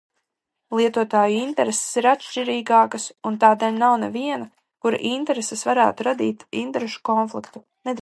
Lietotāju intereses ir atšķirīgākas, un tādēļ nav neviena, kura intereses varētu radīt interešu konfliktu.